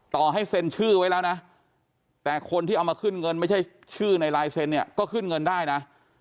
ต่อให้เซ็นชื่อไว้แล้วนะแต่คนที่เอามาขึ้นเงินไม่ใช่ชื่อในลายเซ็นเนี่ยก็ขึ้นเงินได้นะ